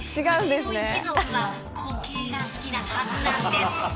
自分の一族は固形が好きなはずなんです。